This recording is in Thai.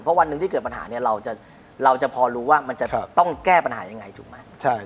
เพราะวันหนึ่งที่เกิดปัญหาเนี่ยเราจะพอรู้ว่ามันจะต้องแก้ปัญหายังไงถูกไหม